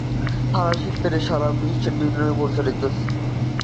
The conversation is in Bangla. ফরাসি প্রেস সারা বিশ্বে বিভিন্ন নামে পরিচিত।